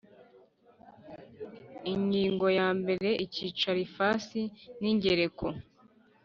Ingingo ya mbere Icyicaro ifasi n ingereko